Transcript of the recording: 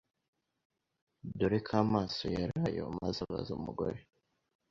dore ko amaso yari ayo maze abaza umugore